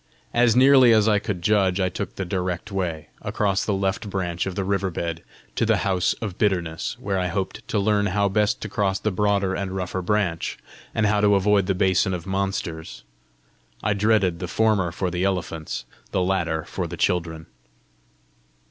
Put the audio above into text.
As nearly as I could judge I took the direct way, across the left branch of the river bed, to the House of Bitterness, where I hoped to learn how best to cross the broader and rougher branch, and how to avoid the basin of monsters: I dreaded the former for the elephants, the latter for the children.